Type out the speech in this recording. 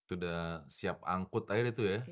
udah siap angkut aja itu ya